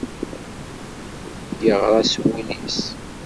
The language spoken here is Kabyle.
Yeɣra s wul-is.